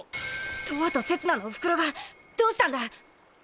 とわとせつなのおふくろがどうしたんだ！？